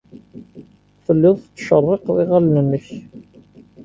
Telliḍ tettcerriqeḍ iɣallen-nnek.